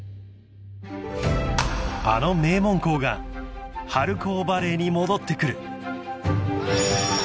［あの名門校が春高バレーに戻ってくる］